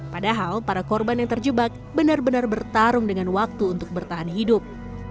padahal para korban yang terjebak benar benar bertarung dengan waktu untuk bertahan hidup